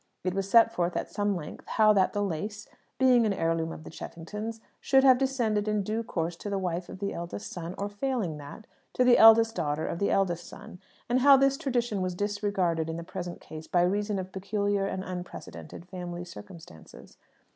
It was set forth at some length how that the lace, being an heirloom of the Cheffingtons, should have descended in due course to the wife of the eldest son, or, failing that, to the eldest daughter of the eldest son; and how this tradition was disregarded in the present case by reason of peculiar and unprecedented family circumstances.